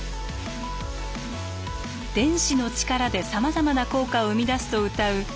電子の力でさまざまな効果を生み出すとうたう新しい技術。